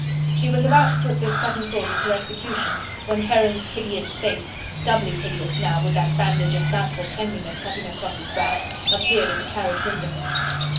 She was about to put this sudden thought into execution when Heron's hideous face, doubly hideous now with that bandage of doubtful cleanliness cutting across his brow, appeared at the carriage window.